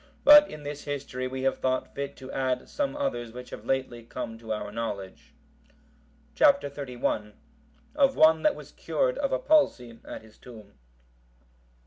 But in this History we have thought fit to add some others which have lately come to our knowledge. Chap. XXXI. Of one that was cured of a palsy at his tomb.